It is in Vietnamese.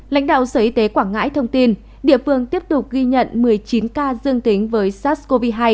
lãnh đạo sở y tế quảng ngãi thông tin địa phương tiếp tục ghi nhận một mươi chín ca dương tính với sars cov hai